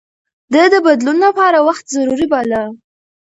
ده د بدلون لپاره وخت ضروري باله.